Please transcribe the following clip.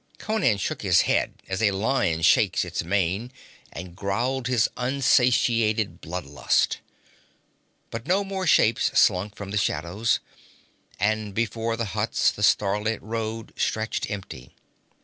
Conan shook his head as a lion shakes its mane and growled his unsatiated blood lust. But no more shapes slunk from the shadows, and before the huts the starlit road stretched empty.